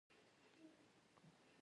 افغانستان زنده باد.